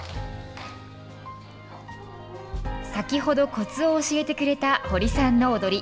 先ほどコツを教えてくれた堀さんの踊り。